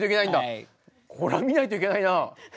これは見ないといけないな。